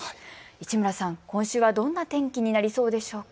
市村さん、今週はどんな天気になりそうでしょうか。